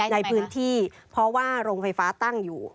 ในพื้นที่เพราะว่าโรงไฟฟ้าตั้งอยู่